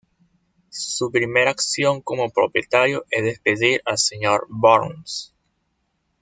Su primer acción como propietario es despedir al Sr. Burns.